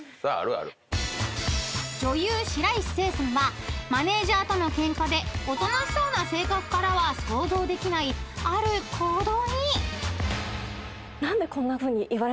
［女優白石聖さんはマネジャーとのケンカでおとなしそうな性格からは想像できないある行動に］